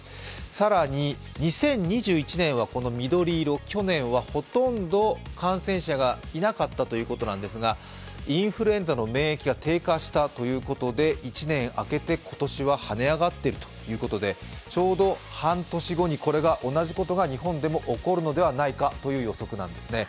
更に、２０２１年はこの緑色去年は、ほとんど感染者がいなかったということなんですが、インフルエンザの免疫が低下したということで１年あけて今年ははね上がっているということでちょうど半年後にこれが同じことが日本でも起こるのではないかという予測なんですね。